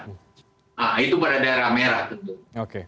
nah itu pada daerah merah tentu